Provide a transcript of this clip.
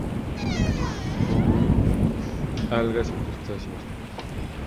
Come algas y crustáceos.